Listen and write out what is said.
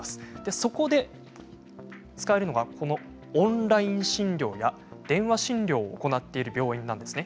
そこで使えるのがこちらのオンライン診療や電話診療を行っている病院なんですね。